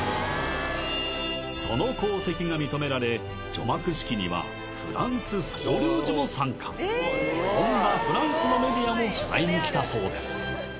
その功績が認められ除幕式にはフランス総領事も参加本場・フランスのメディアも取材に来たそうです